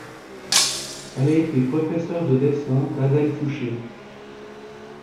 Elle a été Professeur de dessin d’Adèle Foucher.